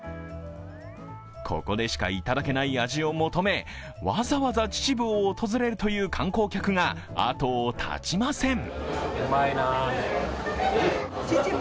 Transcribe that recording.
ここでしかいただけない味を求め、わざわざ秩父を訪れるという観光客が後を絶ちません。